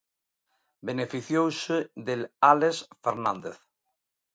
Beneficiouse del Álex Fernández.